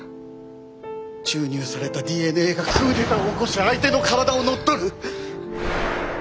注入されたＤＮＡがクーデターを起こし相手の体を乗っ取る！